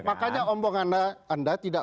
makanya omongan anda tidak